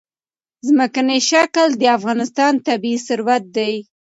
ځمکنی شکل د افغانستان طبعي ثروت دی.